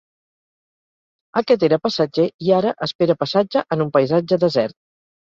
Aquest era passatger i ara espera passatge en un paisatge desert.